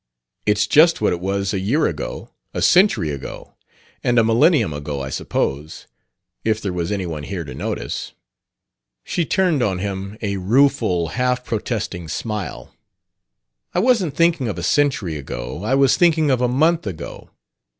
"It's just what it was a year ago, a century ago; and a millennium ago, I suppose, if there was anyone here to notice." She turned on him a rueful, half protesting smile. "I wasn't thinking of a century ago. I was thinking of a month ago."